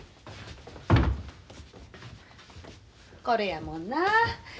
これやもんなあ。